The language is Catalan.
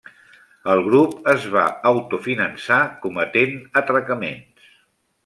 El grup es va autofinançar cometent atracaments.